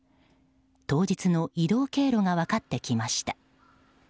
当日の移動経路が分かってきました。